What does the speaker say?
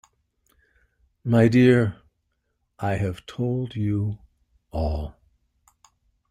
My dear, I have told you all.